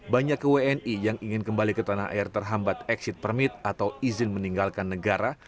banyak wni yang ingin kembali ke tanah air terhambat exit permit atau izin meninggalkan negara